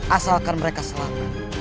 asalkan mereka selamat